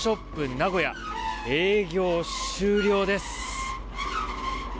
名古屋営業終了です。